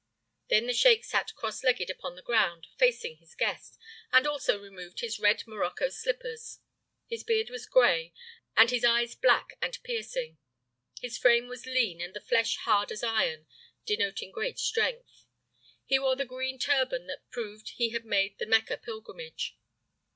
Then the sheik sat cross legged upon the ground, facing his guest, and also removed his red morocco slippers. His beard was gray and his eyes black and piercing. His frame was lean and the flesh hard as iron, denoting great strength. He wore the green turban that proved he had made the Mecca pilgrimage.